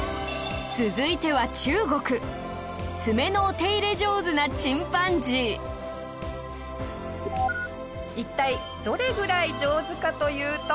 続いては、中国爪のお手入れ上手なチンパンジー下平：一体どれぐらい上手かというと。